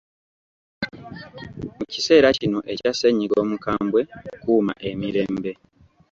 Mu kiseera kino ekya ssennyiga omukambwe kuuma emirembe.